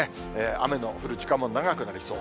雨の降る時間も長くなりそう。